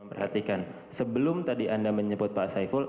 perhatikan sebelum tadi anda menyebut pak saiful